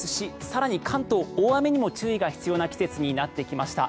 更に関東、大雨にも注意が必要な季節になってきました。